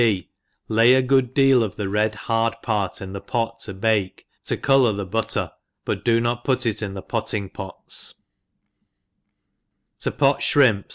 B. Lay a good deal of the ted hard part in the pot to bake^ to colour the butter, but do not put it in ^he potting pots« 7J^ pot Shrimp.